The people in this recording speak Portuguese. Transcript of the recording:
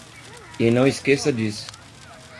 E não esqueça disso.